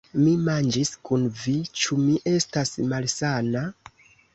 Mi manĝis kun vi; ĉu mi estas malsana?